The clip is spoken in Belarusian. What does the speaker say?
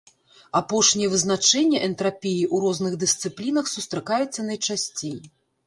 Апошняе вызначэнне энтрапіі ў розных дысцыплінах сустракаецца найчасцей.